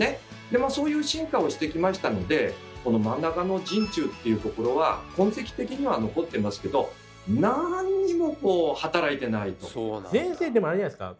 でまあそういう進化をしてきましたのでこの真ん中の人中っていうところは痕跡的には残ってますけど先生でもあれじゃないですか？